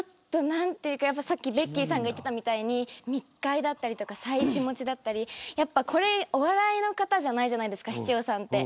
さっきベッキーさんが言ってたみたいに密会だったり妻子持ちだったりお笑いの方ではないじゃないですか市長さんって。